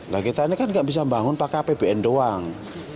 nah kita ini kan gak bisa bangun pakai apbn doang